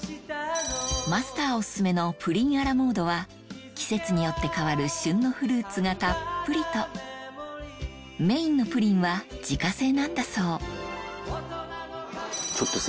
マスターお薦めのプリンア・ラ・モードは季節によって替わる旬のフルーツがたっぷりとメインのプリンは自家製なんだそうちょっとさ